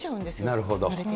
なるほど。